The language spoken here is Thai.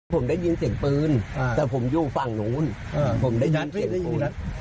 ผมได้ยินเสียงปืนแต่ผมอยู่ฝั่งนู้นผมได้ยินเสียงได้ยินแล้ว